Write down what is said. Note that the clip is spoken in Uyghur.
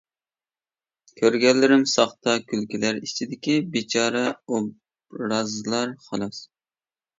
كۆرگەنلىرىم ساختا كۈلكىلەر ئىچىدىكى بىچارە ئوبرازلار خالاس!